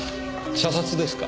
射殺ですか？